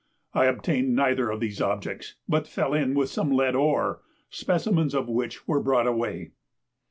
I obtained neither of these objects, but fell in with some lead ore, specimens of which were brought away.